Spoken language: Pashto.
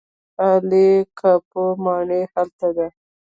عالي قاپو ماڼۍ هلته ده.